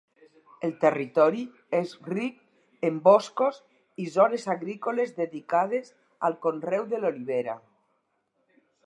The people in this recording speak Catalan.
El territori és ric en boscos i zones agrícoles dedicades al conreu de l'olivera.